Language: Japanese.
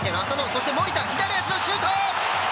そして守田、左足のシュート。